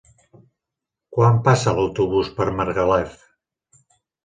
Quan passa l'autobús per Margalef?